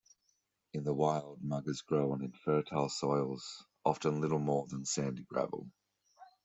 In the wild muggas grow on infertile soils, often little more than sandy gravel.